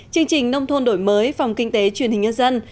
chương trình nông thôn đổi mới phòng kinh tế truyền hình nhân dân